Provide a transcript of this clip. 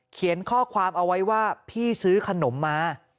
เขียนข้อความเอาไว้ว่าพี่ซื้อขนมมา